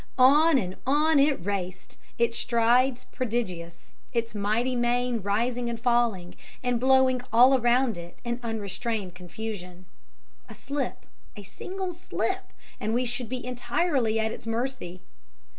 On and on it raced, its strides prodigious, its mighty mane rising and falling, and blowing all around it in unrestrained confusion. A slip a single slip, and we should be entirely at its mercy.